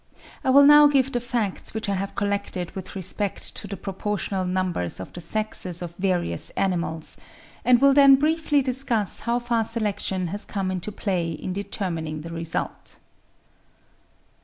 I will now give the facts which I have collected with respect to the proportional numbers of the sexes of various animals; and will then briefly discuss how far selection has come into play in determining the result.